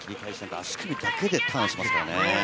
足首だけで最後、ターンしていますからね。